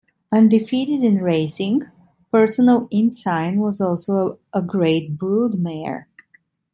Undefeated in racing, Personal Ensign was also a great broodmare.